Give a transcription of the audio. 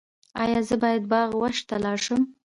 ایا زه باید باغ وحش ته لاړ شم؟